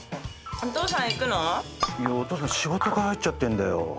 お父さん仕事が入っちゃってんだよ。